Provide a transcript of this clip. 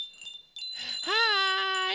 はい！